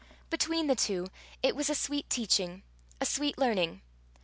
Between the two, it was a sweet teaching, a sweet learning.